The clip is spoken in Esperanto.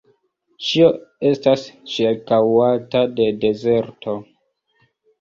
Ĉio estas ĉirkaŭata de dezerto.